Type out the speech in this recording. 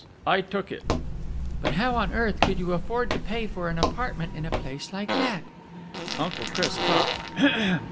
I took it." "But how on earth could you afford to pay for an apartment in a place like that?" Uncle Chris coughed.